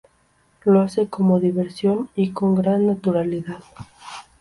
Lo hace como diversión y con gran naturalidad.